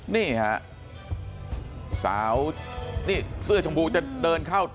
นี่ฮะสาวนี่เสื้อชมพูจะเดินเข้า